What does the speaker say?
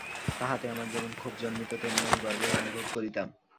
তাহাতে আমার যেমন ক্ষোভ জন্মিত তেমনি আমি গর্বও অনুভব করিতাম।